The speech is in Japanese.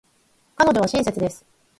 彼女は親切です。